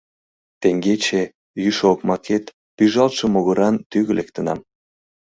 Теҥгече, йӱшӧ окмакет, пӱжалтше могыран тӱгӧ лектынам.